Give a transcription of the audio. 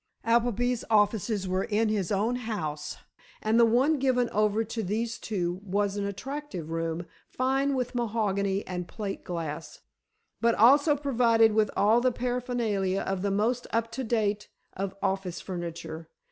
Appleby's offices were in his own house, and the one given over to these two was an attractive room, fine with mahogany and plate glass, but also provided with all the paraphernalia of the most up to date of office furniture.